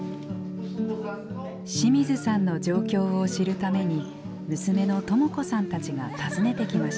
清水さんの状況を知るために娘の智子さんたちが訪ねてきました。